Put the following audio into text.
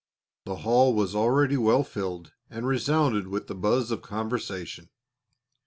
The hall was already well filled and resounded with the buzz of conversation.